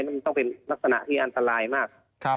มันต้องเป็นลักษณะที่อันตรายมาก